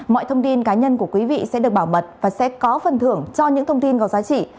mọi thông tin cá nhân của quý vị sẽ được bảo mật và sẽ có phần thưởng cho những thông tin có giá trị